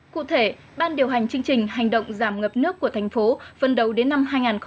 cụ thể ban điều hành chương trình hành động giảm ngập nước của thành phố phần đầu đến năm hai nghìn hai mươi